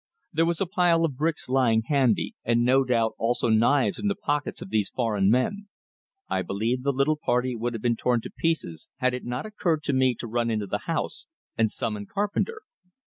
There was a pile of bricks lying handy, and no doubt also knives in the pockets of these foreign men; I believe the little party would have been torn to pieces, had it not occurred to me to run into the house and summon Carpenter.